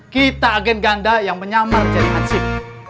kita agen ganda yang menyamar jadi ansip